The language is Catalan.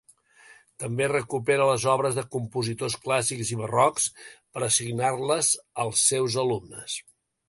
També recupera les obres de compositors clàssics i barrocs per assignar-les els seus alumnes.